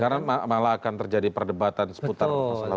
karena malah akan terjadi perdebatan seputar masalah hukum